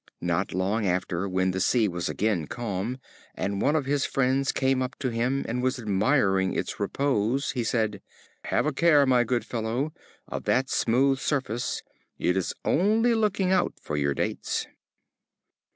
Not long after, when the Sea was again calm, and one of his friends came up to him and was admiring its repose, he said: "Have a care, my good fellow, of that smooth surface, it is only looking out for your Dates."